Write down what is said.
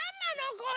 これ。